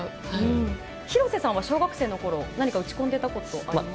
廣瀬さんは小学生のころ何か打ち込んでいたことありますか？